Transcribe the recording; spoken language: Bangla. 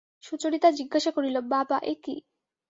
সুচরিতা জিজ্ঞাসা করিল, বাবা, একি!